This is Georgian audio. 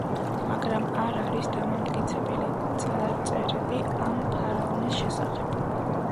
მაგრამ არ არის დამამტკიცებელი წარწერები ამ ფარაონის შესახებ.